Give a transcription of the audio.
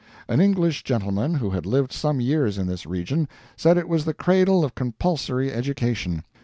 An English gentleman who had lived some years in this region, said it was the cradle of compulsory education.